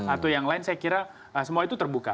atau yang lain saya kira semua itu terbuka